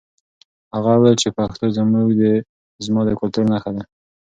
هغه وویل چې پښتو زما د کلتور نښه ده.